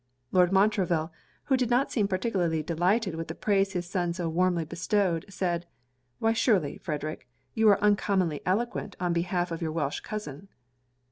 Lord Montreville, who did not seem particularly delighted with the praise his son so warmly bestowed, said 'Why surely, Frederic, you are uncommonly eloquent on behalf of your Welch cousin.'